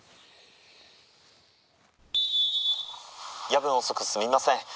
夜分遅くすみません。